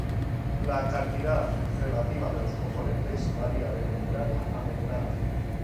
La cantidad relativa de los componentes varía de membrana a membrana.